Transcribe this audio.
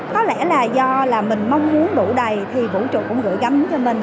có lẽ là do là mình mong muốn đủ đầy thì vũ trụ cũng gửi gắm cho mình